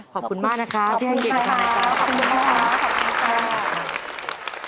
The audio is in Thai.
ขอบคุณมากนะครับแขค